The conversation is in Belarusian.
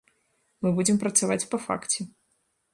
Мы будзем працаваць па факце.